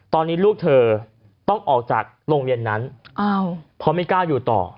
ตอนนี้ลูกเธอต้องออกจากโรงเรียนนั้นเพราะไม่กล้าอยู่ต่อ